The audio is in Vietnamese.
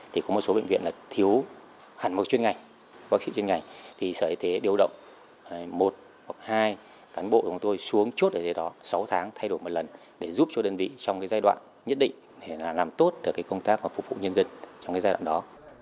thì có một số bệnh viện là thiếu hẳn một chuyên ngành bác sĩ chuyên ngành thì sở y tế điều động một hoặc hai cán bộ chúng tôi xuống chốt ở dưới đó sáu tháng thay đổi một lần để giúp cho đơn vị trong cái giai đoạn nhất định để làm tốt được công tác và phục vụ nhân dân trong cái giai đoạn đó